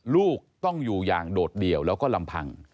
ลูกต้องอยู่อย่างโดดเดี่ยวแล้วก็ลำพัง